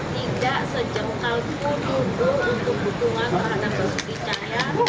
tidak sejam kaldu tunggu untuk dukungan terhadap masuki cahaya